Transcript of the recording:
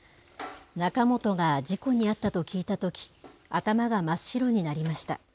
仲本が事故に遭ったと聞いたとき、頭が真っ白になりました。